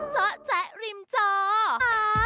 เจ้าแสริมเจ้า